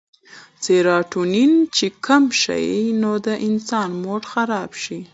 سيراټونين چې کم شي نو د انسان موډ خراب شي